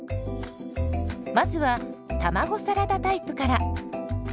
まずは卵サラダタイプから。